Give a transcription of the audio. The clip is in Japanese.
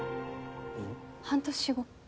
半年後。